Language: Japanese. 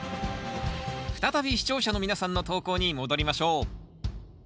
再び視聴者の皆さんの投稿に戻りましょう。